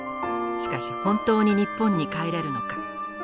しかし本当に日本に帰れるのか。